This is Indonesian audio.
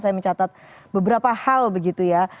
saya mencatat beberapa hal begitu ya